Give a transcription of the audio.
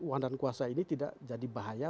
uang dan kuasa ini tidak jadi bahaya